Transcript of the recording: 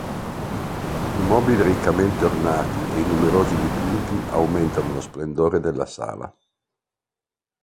I mobili riccamente ornati e i numerosi dipinti aumentano lo splendore della sala.